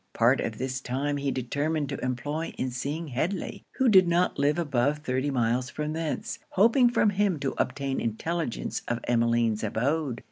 Part of this time he determined to employ in seeing Headly, who did not live above thirty miles from thence; hoping from him to obtain intelligence of Emmeline's abode.